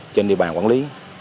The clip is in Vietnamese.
trên địa bàn quản lý